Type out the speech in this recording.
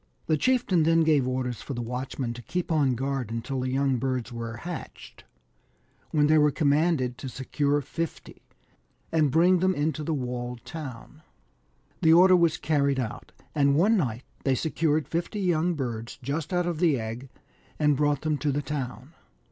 The chieftain then gave orders for the watchmen to keep on guard until the young birds were hatched, when they were commanded to secure fifty, and bring them into the walled town. The order was carried out, and one night they secured fifty young birds just out of the egg, and brought them to the town.